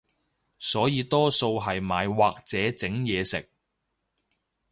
所以多數係買或者整嘢食